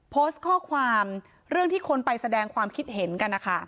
โพสต์ข้อความเรื่องที่คนไปแสดงความคิดเห็นกันนะคะ